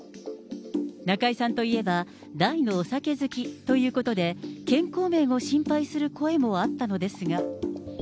中居さんといえば、大のお酒好きということで、健康面を心配する声もあったのですが。